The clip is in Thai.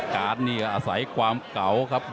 การ์ดนี่ก็อาศัยความเก่าครับ